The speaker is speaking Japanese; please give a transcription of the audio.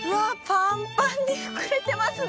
パンパンにふくれてますね